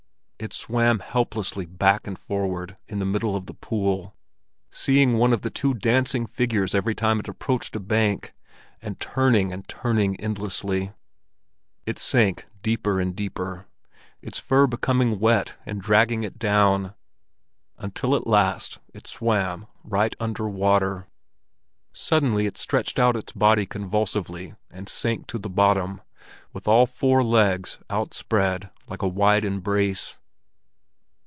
It swam helplessly backward and forward in the middle of the pool, seeing one of the two dancing figures every time it approached a bank, and turning and turning endlessly. It sank deeper and deeper, its fur becoming wet and dragging it down, until at last it swam right under water. Suddenly it stretched out its body convulsively, and sank to the bottom, with all four legs outspread like a wide embrace.